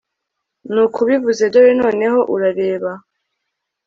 Nkuko ubivuze Dore noneho urareba